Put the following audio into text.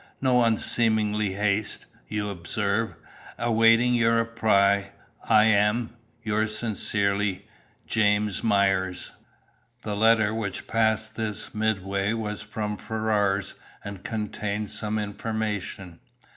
No unseemly haste, you observe. Awaiting your reply, I am, "Yours sincerely, "JAS. MYERS." The letter which passed this midway was from Ferrars, and contained some information.